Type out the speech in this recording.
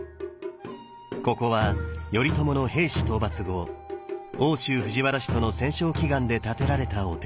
ここは頼朝の平氏討伐後奥州藤原氏との戦勝祈願で建てられたお寺。